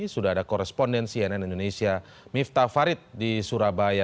sudah ada korespondensi nn indonesia mifta farid di surabaya